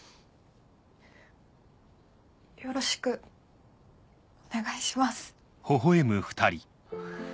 よろしくお願いします。